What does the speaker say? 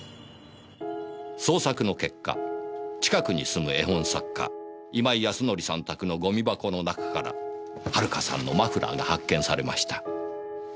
捜索の結果近くに住む絵本作家今井康則さん宅のゴミ箱の中から遥さんのマフラーが発見されました。